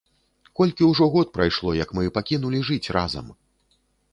Колькі ўжо год прайшло, як мы пакінулі жыць разам!